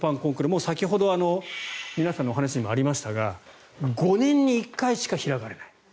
もう先ほど皆さんのお話にもありましたが５年に１回しか開かれない。